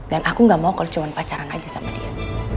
dan aku gak mau kalau cuma pacaran aja sama dia